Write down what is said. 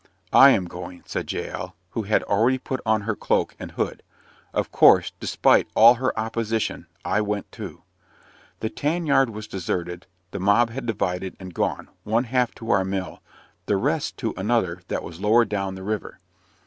"I am going," said Jael, who had already put on her cloak and hood. Of course, despite all her opposition, I went too. The tan yard was deserted; the mob had divided, and gone, one half to our mill, the rest to another that was lower down the river.